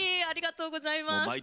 ありがとうございます！